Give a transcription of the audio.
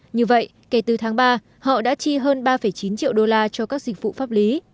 như vậy kể từ tháng ba họ đã chi hơn ba chín triệu đô la mỹ